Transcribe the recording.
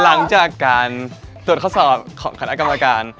หลังจากการตรวจข้อสอบของคณะกรรมการ